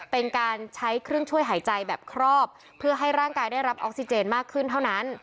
เป็นการใช้เครื่องช่วยหายใจแบบครอบเพื่อให้ร่างกายได้รับออกซิเจนมากขึ้นเท่านั้น